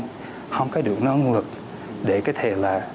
mà phải có một số động lực để có thể